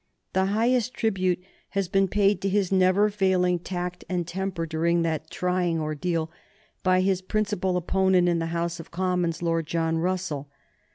The highest tribute has been paid to his never failing tact and temper during that trying ordeal by his principal opponent in the House of Commons, Lord John Russell.